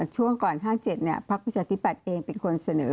ช่วงก่อน๑๙๕๗พรรคปริจัตย์ที่๘เองเป็นคนเสนอ